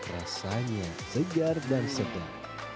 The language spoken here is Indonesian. rasanya segar dan sedap